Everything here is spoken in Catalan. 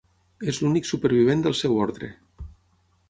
És l'únic supervivent del seu ordre.